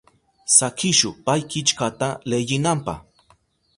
Sakishu pay killkata leyinanpa.